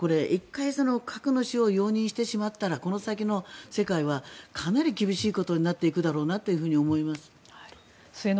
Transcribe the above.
１回、核の使用を容認してしまったらこの先の世界はかなり厳しいことになっていくだろうなと思います。